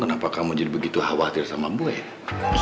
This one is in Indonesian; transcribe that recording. kenapa kamu jadi begitu khawatir sama boy